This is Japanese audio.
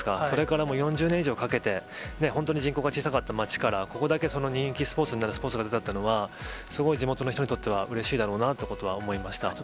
それからもう４０年以上かけて、本当に人口が小さかった町から、そこからこんなに人気スポーツになるスポーツが出たというのは、すごい地元の人にとってはうれしいだろうなということは思いました。